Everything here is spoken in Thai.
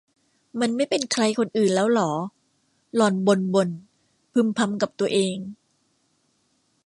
มันไม่เป็นใครคนอื่นแล้วหรอ หล่อนบ่นบ่นพึมพำกับตัวเอง